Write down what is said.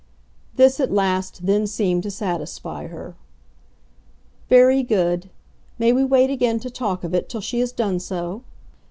This at last then seemed to satisfy her. "Very good. May we wait again to talk of it till she has done so?"